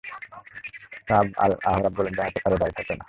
কাব আল-আহবার বলেন, জান্নাতে কারো দাড়ি থাকবে না।